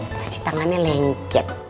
cuci tangannya lengket